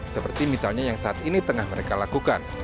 seperti misalnya yang saat ini tengah mereka lakukan